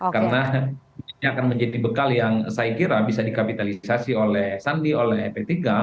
karena ini akan menjadi bekal yang saya kira bisa dikapitalisasi oleh sandi oleh p tiga